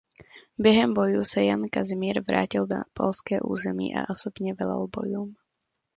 Během bojů se Jan Kazimír vrátil na polské území a osobně velel bojům.